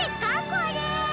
これ。